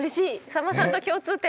さんまさんと共通点。